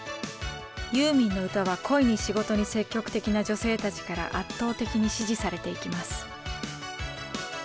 ユーミンの歌は恋に仕事に積極的な女性たちから圧倒的に支持されていきます。